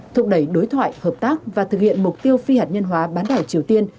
thúc đẩy đối thoại hợp tác và thực hiện mục tiêu phi hạt nhân hóa bán đảo triều tiên